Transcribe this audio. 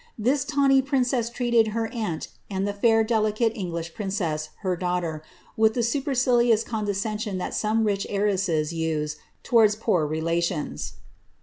This tawny M treated her aunt and tlie fair, delicate, English princess, her er, with the supercilious condescensioa that some rich heiresses imds poor relations.